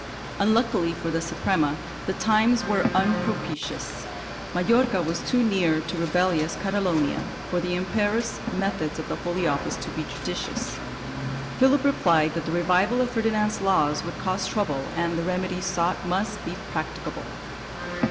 Unluckily for the Suprema the times were unpropitious. Majorca was too near to rebellious Catalonia for the imperious methods of the Holy Office to be judicious. Philip replied that the revival of Ferdinand's laws would cause trouble and the remedy sought must be practicable.